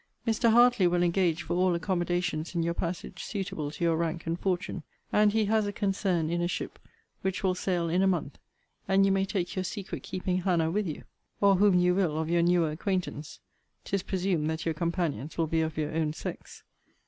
Mr. Hartley will engage for all accommodations in your passage suitable to your rank and fortune; and he has a concern in a ship, which will sail in a month; and you may take your secret keeping Hannah with you, or whom you will of your newer acquaintance. 'Tis presumed that your companions will be of your own sex.